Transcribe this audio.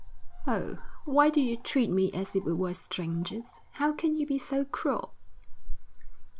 'Oh, why do you treat me as if we were strangers? How can you be so cruel?'